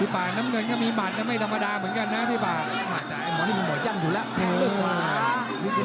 พยายามแทงซ้ายครับขุนสึกเล็ก